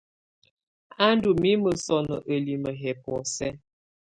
A ndù mimǝ sɔnɔ ǝlimǝ yɛ bɔ̀ósɛ.